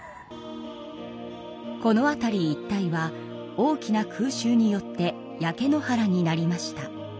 この辺り一帯は大きな空襲によって焼け野原になりました。